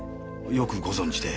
よくご存じで。